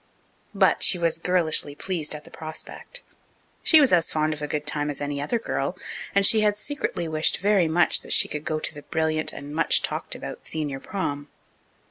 But she was girlishly pleased at the prospect. She was as fond of a good time as any other girl, and she had secretly wished very much that she could go to the brilliant and much talked about senior prom.